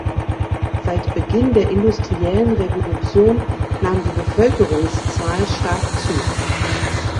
Seit Beginn der industriellen Revolution nahm die Bevölkerungszahl stark zu.